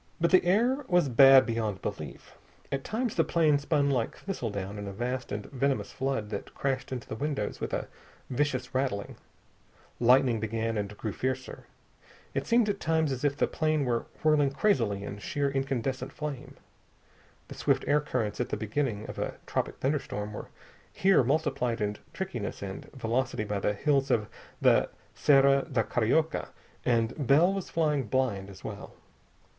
But the air was bad beyond belief. At times the plane spun like thistledown in a vast and venomous flood that crashed into the windows with a vicious rattling. Lightning began and grew fiercer. It seemed at times as if the plane were whirling crazily in sheer incandescent flame. The swift air currents at the beginning of a tropic thunderstorm were here multiplied in trickiness and velocity by the hills of the Serra da Carioca, and Bell was flying blind as well.